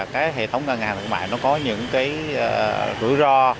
cái hệ thống ngân hàng thương mại nó có những cái rủi ro